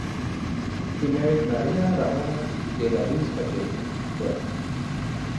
He married Maria Ramona de la Luz Pacheco (Wilson).